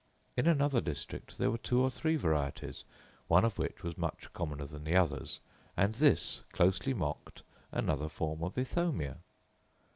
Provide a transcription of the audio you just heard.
In another district there were two or three varieties, one of which was much commoner than the others, and this closely mocked another form of Ithomia.